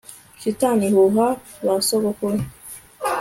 Shitani ihuha ba sogokuruza